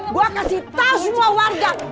gue kasih tau semua warga